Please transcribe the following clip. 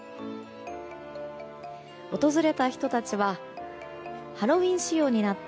訪れた人たちはハロウィーン仕様になった